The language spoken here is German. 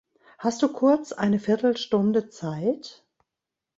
Hast du kurz eine Viertelstunde Zeit?